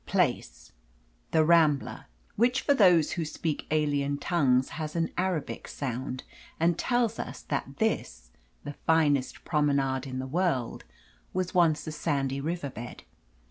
Place: The Rambla, which for those who speak alien tongues has an Arabic sound, and tells us that this, the finest promenade in the world, was once a sandy river bed.